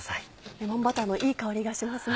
レモンバターのいい香りがしますね。